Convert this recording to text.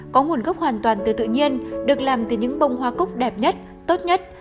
có nguồn gốc hoàn toàn từ tự nhiên được làm từ những bông hoa cúc đẹp nhất tốt nhất